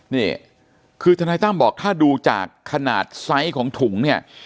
นี่คือทนายตั้มบอกถ้าดูจากขนาดไซส์ของถุงเนี่ย